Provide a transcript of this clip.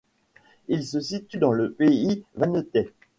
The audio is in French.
Il se situe dans le pays vannetais.